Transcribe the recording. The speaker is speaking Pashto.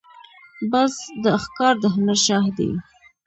باز د ښکار د هنر شاه دی